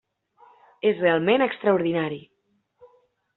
És realment extraordinari.